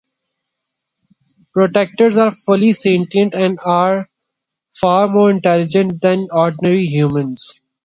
Protectors are fully sentient, and are far more intelligent than ordinary humans.